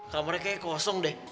kamarnya kayaknya kosong deh